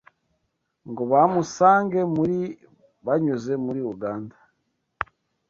ngo bamusange muri banyuze muri Uganda